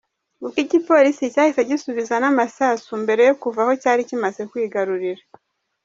Ubwo igipolisi cyahise gisubiza n’amasasu mbere yo kuva aho cyari kimaze kwigarurira.